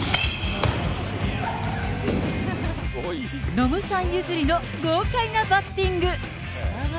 ノムさん譲りの豪快なバッティング。